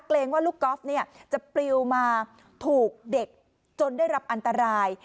เกรงว่าลูกกอล์ฟจะปลิวมาถูกเด็กจนได้รับอันตราย